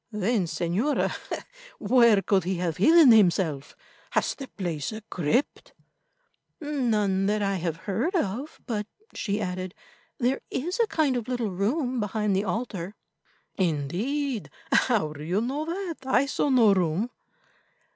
"Then, Señora, where could he have hidden himself? Has the place a crypt?" "None that I have heard of; but," she added, "there is a kind of little room behind the altar." "Indeed. How do you know that? I saw no room."